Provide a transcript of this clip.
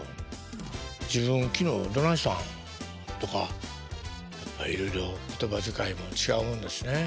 「自分昨日どないしたん？」とかいろいろ言葉遣いも違うもんですね。